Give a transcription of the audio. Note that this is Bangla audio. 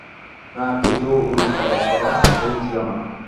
না, কিছুই ওলট-পালট করা হয়েছিল না।